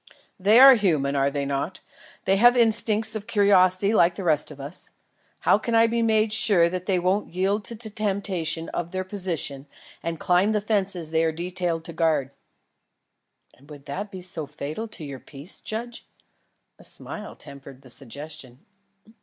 "They are human, are they not? They have instincts of curiosity like the rest of us. How can I be made sure that they won't yield to the temptation of their position and climb the fences they are detailed to guard?" "And would this be so fatal to your peace, judge?" A smile tempered the suggestion.